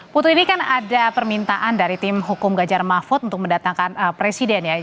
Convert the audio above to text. putu ini kan ada permintaan dari tim hukum gajar mahfud untuk mendatangkan presiden ya